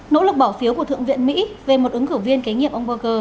nỗ lực bỏ phiếu của thượng viện mỹ về một ứng cử viên kế nhiệm ông bogle